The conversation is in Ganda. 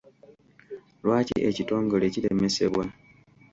Lwaki ekitongole kiremesebwa?